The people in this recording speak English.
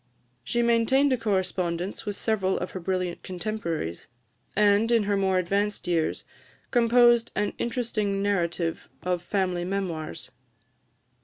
She maintained a correspondence with several of her brilliant contemporaries, and, in her more advanced years, composed an interesting narrative of family Memoirs.